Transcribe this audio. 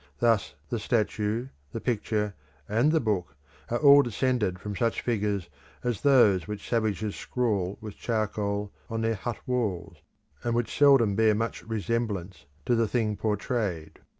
Thus the statue, the picture, and the book are all descended from such figures as those which savages scrawl with charcoal on their hut walls, and which seldom bear much resemblance to the thing portrayed.